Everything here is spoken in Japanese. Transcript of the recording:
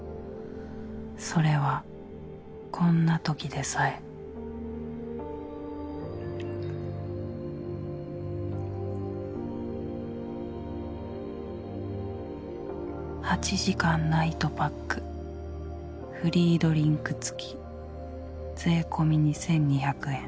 それはこんな時でさえ８時間ナイトパックフリードリンク付き税込２２００円